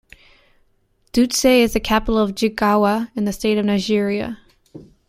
Dutse is the capital of Jigawa state of Nigeria.